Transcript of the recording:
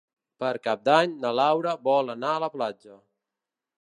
Per Cap d'Any na Laura vol anar a la platja.